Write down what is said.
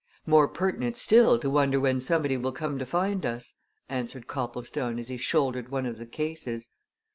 "More pertinent still to wonder when somebody will come to find us," answered Copplestone as he shouldered one of the cases.